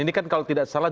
ini kan kalau tidak salah